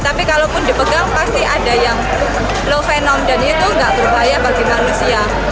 tapi kalaupun dipegang pasti ada yang low venom dan itu nggak berbahaya bagi manusia